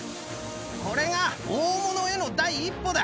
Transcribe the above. これが大物への第一歩だ。